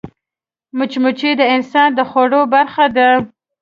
مچمچۍ د انسان د خوړو برخه ده